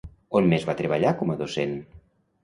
On més va treballar com a docent?